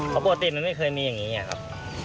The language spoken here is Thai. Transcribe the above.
เพราะปกติมันไม่เคยมีอย่างนี้ไงครับ